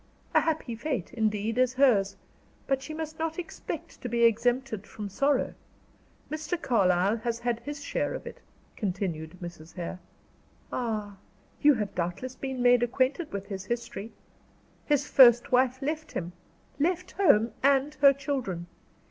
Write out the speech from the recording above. A happy fate, indeed, is hers; but she must not expect to be exempted from sorrow. Mr. Carlyle has had his share of it," continued Mrs. Hare. "Ah!" "You have doubtless been made acquainted with his history. His first wife left him left home and her children.